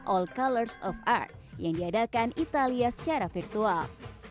all colors of art yang diadakan italia secara virtual